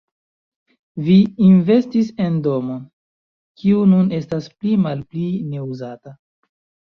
Vi investis en domon, kiu nun estas pli malpli neuzata.